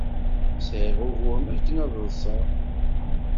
Sɛiɣ uguren akken ad ḍḍseɣ.